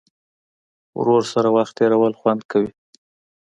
ورور سره وخت تېرول خوند کوي.